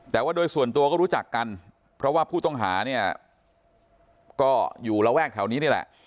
แต่ว่าโดยส่วนตัวก็รู้จักกันเพราะว่าผู้ต้องหาเนี่ยก็อยู่ระแวกแถวนี้นี่แหละ